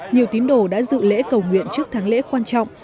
nhiều tín đồ đã dự lễ cầu nguyện trước tháng lễ quan trọng